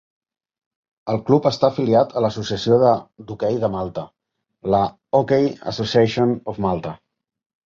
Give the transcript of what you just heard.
El club està afiliat a l'associació d'hoquei de Malta, la Hockey Association of Malta.